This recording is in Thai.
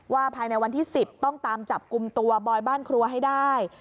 ว่าภายในวันที่ต้องตามจับกุมบอยบ้านครัวให้ได้